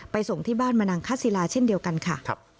ส่งที่บ้านมนังคศิลาเช่นเดียวกันค่ะ